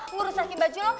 ngurus ngurusin baju lo